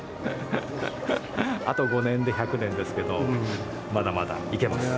あと５年で１００年ですけどまだまだいけます。